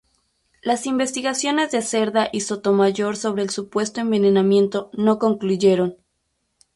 Las investigaciones de Cerda y Sotomayor sobre el supuesto envenenamiento no concluyeron.